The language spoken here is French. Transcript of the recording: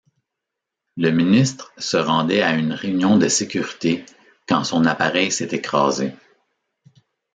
Le ministre se rendait à une réunion de sécurité quand son appareil s'est écrasé.